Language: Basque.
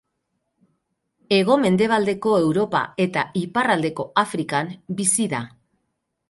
Hego-mendebaldeko Europa eta iparraldeko Afrikan bizi da.